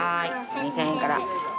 ２０００円から。